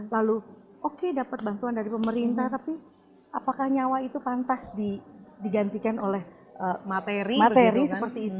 lalu oke dapat bantuan dari pemerintah tapi apakah nyawa itu pantas digantikan oleh materi seperti ini